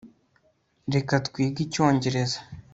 reka twige icyongereza